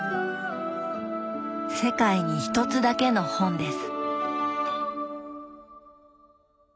世界に一つだけの本です。